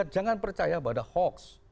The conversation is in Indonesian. jangan percaya pada hoax